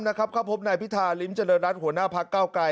นะครับครับพบนายพิธาลิ้มเจริญรัฐหัวหน้าภาคเก้าไกล